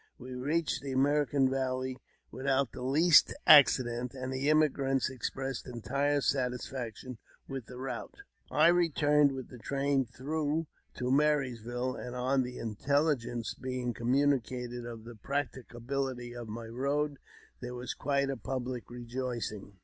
We reached the American Valley without the least accident, and the emigrants expressed entire satisfaction with the route. I returned with the train through to Marysville, and on the intelligence being communi cated of the practicability of my road, there was quite a public rejoicing.